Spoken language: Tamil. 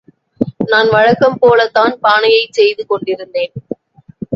நான் வழக்கம்போல்தான் பானையைச் செய்து கொண்டிருந்தேன்.